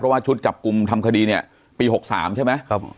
เพราะว่าชุดจับกลุ่มทำคดีเนี้ยปีหกสามใช่ไหมครับ